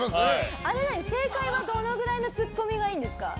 正解はどのくらいのツッコミがいいんですか？